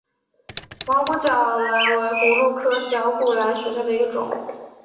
毛绞股蓝为葫芦科绞股蓝属下的一个种。